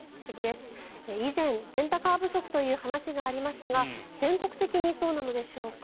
以前、レンタカー不足という話がありましたが全国的にそうなのでしょうか？